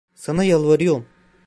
Sana yalvarıyorum.